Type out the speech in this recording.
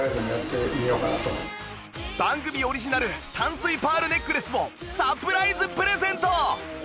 番組オリジナル淡水パールネックレスをサプライズプレゼント！